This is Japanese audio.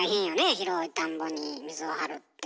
広い田んぼに水を張るって。